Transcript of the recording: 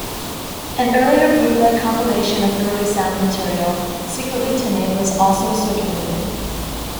An earlier bootleg compilation of "Girly-Sound" material, "Secretly Timid", was also circulated.